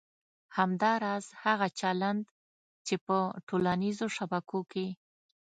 همداراز هغه چلند چې په ټولنیزو شبکو کې